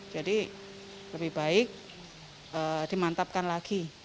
jadi lebih baik dimantapkan lagi